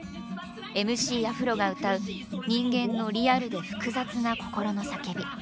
ＭＣアフロが歌う人間のリアルで複雑な心の叫び。